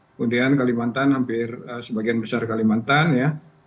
kemudian kalimantan hampir sebagian besar kalimantan ya